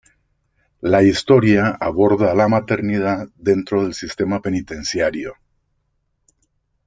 La historia aborda la maternidad dentro del sistema penitenciario.